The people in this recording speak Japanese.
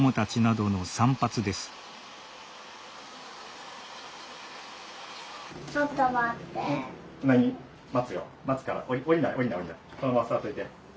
そのまま座っといて。